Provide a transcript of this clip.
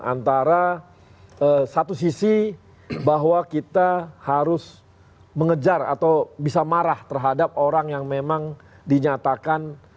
antara satu sisi bahwa kita harus mengejar atau bisa marah terhadap orang yang memang dinyatakan